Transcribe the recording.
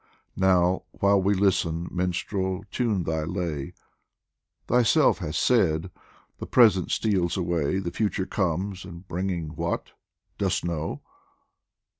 Now, while we listen, Minstrel, tune thy lay ! Thyself hast said :" The Present steals away ; The Future comes, and bringing what ? Dost know